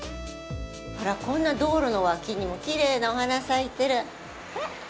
こんな道路の脇にもきれいなお花咲いてる。